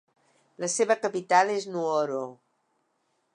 La seva capital és Nuoro.